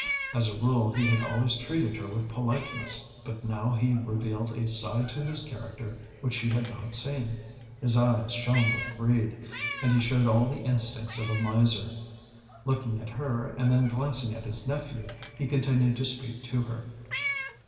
As a rule he had always treated her with politeness, but now he revealed a side to his character which she had not seen. His eyes shone with greed, and he showed all the instincts of a miser. Looking at her and then glancing at his nephew, he continued to speak to her.